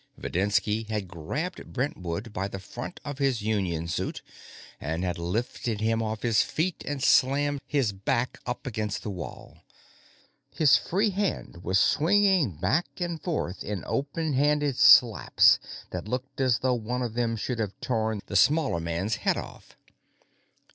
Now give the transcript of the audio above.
Videnski had grabbed Brentwood by the front of his union suit, and had lifted him off his feet and slammed his back up against the wall. His free hand was swinging back and forth in open handed slaps that looked as though any one of them should have torn the smaller man's head off.